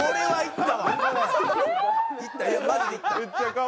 はい。